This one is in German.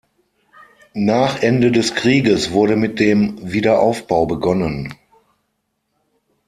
Nach Ende des Krieges wurde mit dem Wiederaufbau begonnen.